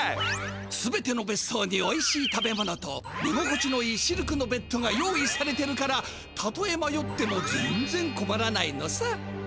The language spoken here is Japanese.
全てのべっそうにおいしい食べ物とねごこちのいいシルクのベッドが用意されてるからたとえまよってもぜんぜんこまらないのさ。